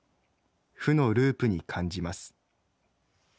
負のループに感じます。